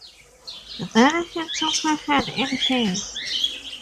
Then he took her hand in his.